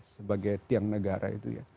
sebagai tiang negara itu ya